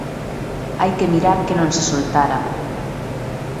Hai que mirar que non se soltara...